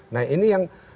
nah ini yang